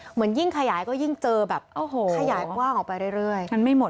เหมือนยิ่งขยายก็ยิ่งเจอแบบขยายกว้างออกไปเรื่อย